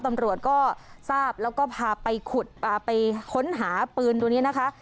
ตำรวจก็ทราบแล้วก็พาไปขุดไปค้นหาปืนตัวนี้นะคะ